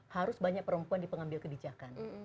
harus banyak perempuan di pengambil kebijakan